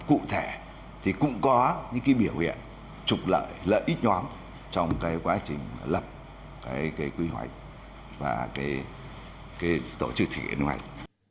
cụ thể thì cũng có những cái biểu hiện trục lợi lợi ích nhóm trong cái quá trình lập cái quy hoạch và cái tổ chức thực hiện quy hoạch